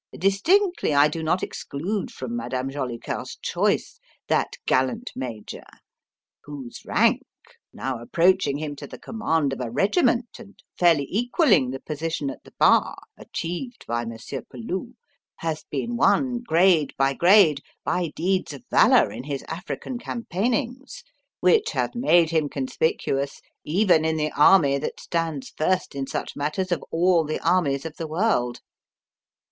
Distinctly, I do not exclude from Madame Jolicoeur's choice that gallant Major: whose rank now approaching him to the command of a regiment, and fairly equalling the position at the bar achieved by Monsieur Peloux has been won, grade by grade, by deeds of valour in his African campaignings which have made him conspicuous even in the army that stands first in such matters of all the armies of the world.